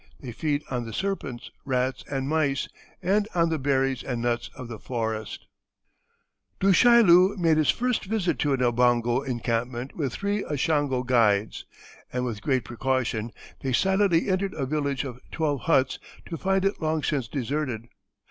They feed on the serpents, rats, and mice, and on the berries and nuts of the forest. [Illustration: A Pigmy Warrior.] Du Chaillu made his first visit to an Obongo encampment with three Ashango guides, and with great precaution they silently entered a village of twelve huts to find it long since deserted.